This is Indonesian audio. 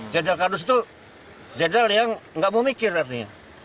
general kardus itu general yang tidak memikir artinya